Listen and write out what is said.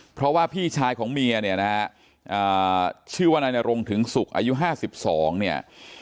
เพราะว่าพี่ชายของเมียเนี่ยนะฮะชื่อว่านายนรงถึงศุกร์อายุ๕๒เนี่ย